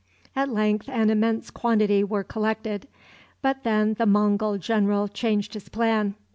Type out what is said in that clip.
At length an immense quantity were collected; but then the Mongul general changed his plan.